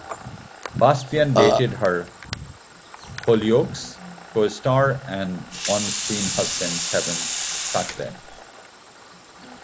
Bastian dated her "Hollyoaks" co-star and on-screen husband Kevin Sacre.